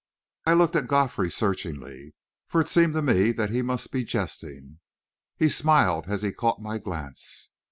I looked at Godfrey searchingly, for it seemed to me that he must be jesting. He smiled as he caught my glance.